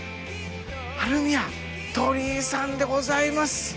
春宮鳥居さんでございます。